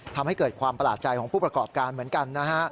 ทำให้เกิดความประหลาดใจของผู้ประกอบการเหมือนกันนะฮะ